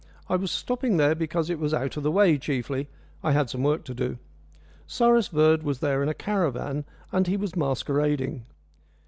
I was stopping there because it was out of the way chiefly I had some work to do. Cyrus Verd was there in a caravan, and he was masquerading.